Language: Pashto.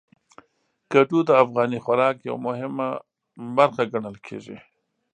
کدو د افغاني خوراک یو مهم برخه ګڼل کېږي.